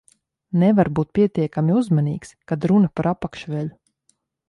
Nevar būt pietiekami uzmanīgs, kad runa par apakšveļu.